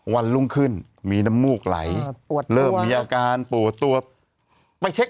วันรุ่งขึ้นมีน้ำมูกไหลเริ่มมีอาการปวดตัวไปเช็ค